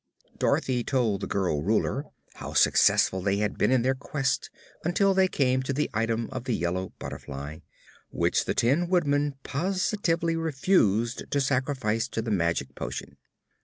Dorothy told the girl Ruler how successful they had been in their quest until they came to the item of the yellow butterfly, which the Tin Woodman positively refused to sacrifice to the magic potion.